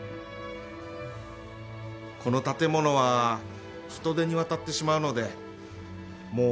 この建物は人手に渡ってしまうのでもう